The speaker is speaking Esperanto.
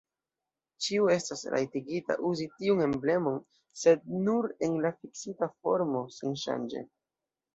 Ĉiu estas rajtigita uzi tiun emblemon, sed nur en la fiksita formo, senŝanĝe.